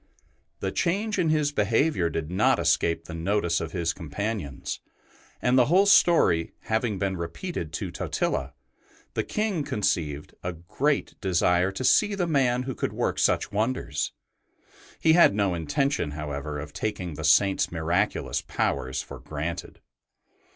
The change in his be haviour did not escape the notice of his com panions, and the whole story having been repeated to Totila, the King conceived a great 86 ST. BENEDICT desire to see the man who could work such wonders. He had no intention, however, of taking the Saint's miraculous powers for granted.